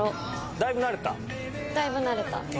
だいぶ慣れた。